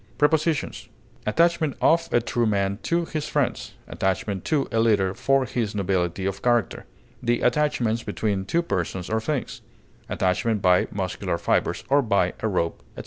Prepositions: Attachment of a true man to his friends; attachment to a leader for his nobility of character; the attachments between two persons or things; attachment by muscular fibers, or by a rope, etc.